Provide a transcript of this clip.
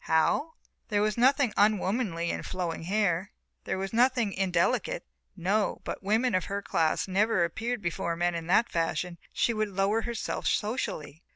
How? There was nothing unwomanly in flowing hair, there was nothing indelicate. No, but women of her class never appeared before men in that fashion, she would lower herself socially.